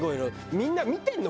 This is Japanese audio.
みんな見てるの？